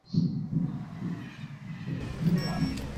建元是新罗君主法兴王和真兴王之年号。